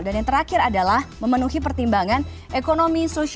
dan yang terakhir adalah memenuhi pertimbangan epidemiologi